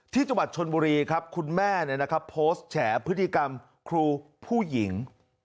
ที่จังหวัดชนบุรีครับคุณแม่โพสต์แฉพฤติกรรมครูผู้หญิง